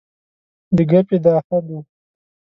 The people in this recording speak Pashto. د ګپ یې دا حد و.